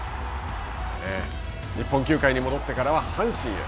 日本球界に戻ってからは阪神へ。